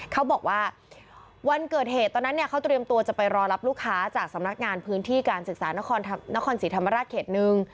เขาบอกว่าวันเกิดเหตุตอนนั้นเนี่ยเขาเตรียมตัวจะไปรอรับลูกค้าจากสำนักงานพื้นที่การศึกษานครศรีธรรมราชเขตหนึ่ง